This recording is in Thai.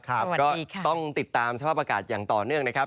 ก็ต้องติดตามสภาพอากาศอย่างต่อเนื่องนะครับ